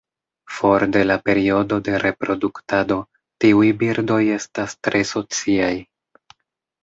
For de la periodo de reproduktado, tiuj birdoj estas tre sociaj.